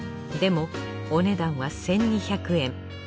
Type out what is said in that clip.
でもお値段は１，２００円。